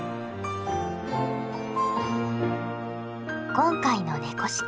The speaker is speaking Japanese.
今回の「猫識」ん？